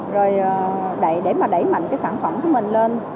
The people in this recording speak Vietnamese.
rồi để mà đẩy mạnh